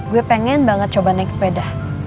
gue pengen banget coba naik sepeda